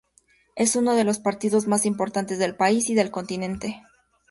Es uno de los partidos más importantes del país y del continente.